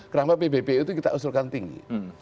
kenapa pbpu itu kita usulkan tinggi